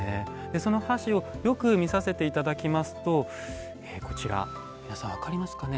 その箸をよく見させて頂きますとこちら皆さん分かりますかね？